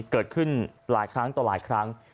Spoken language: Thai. เกิดขึ้นหลายครั้งต่อหลายครั้ง